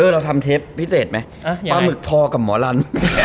เราทำเทปพิเศษไหมปลาหมึกพอกับหมอลัน